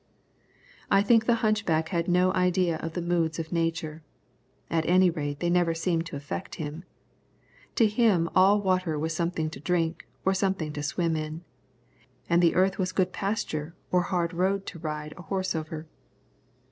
I think the hunchback had no idea of the moods of nature; at any rate they never seemed to affect him. To him all water was something to drink or something to swim in, and the earth was good pasture or hard road to ride a horse over.